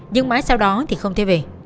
nhưng mãi sau đó thì không thể về